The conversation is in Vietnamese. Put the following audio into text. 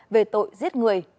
về tội giết người